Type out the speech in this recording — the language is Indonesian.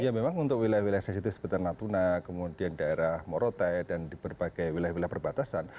ya memang untuk wilayah wilayah sensitif seperti natuna kemudian daerah morotai dan di berbagai wilayah wilayah perbatasan